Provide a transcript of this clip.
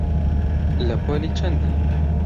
لە پۆلی چەندی؟